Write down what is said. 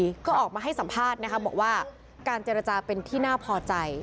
ก็ออกมาให้สัมภาษณ์นะคะบอกว่าการเจรจาเป็นที่น่าพอใจ